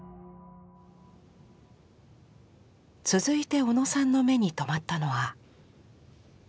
続いて小野さんの目に留まったのは。